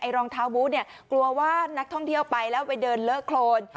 รองเท้าบูธเนี่ยกลัวว่านักท่องเที่ยวไปแล้วไปเดินเลอะโครน